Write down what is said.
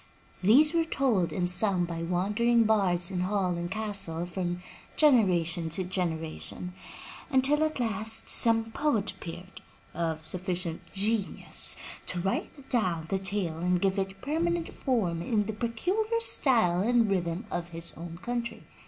These were told and sung by wandering bards in hall and castle from generation to generation, until at last some poet appeared, of sufficient genius to write down the tale and give it permanent form in the peculiar style and rhythm of his own country.